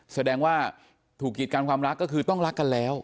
แสดงว่าถูกกีดกันความรักก็คือต้องรักกันแล้ว